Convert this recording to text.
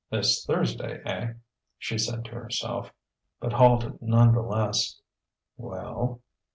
"Miss Thursday, eh?" she said to herself; but halted none the less. "Well?"